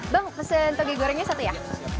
bang pesen toge gorengnya satu ya